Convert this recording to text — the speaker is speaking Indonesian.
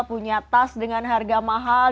punya tas dengan harga mahal